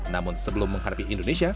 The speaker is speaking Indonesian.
namun sebelum menghadapi indonesia